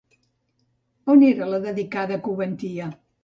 On era la dedicada a Coventia?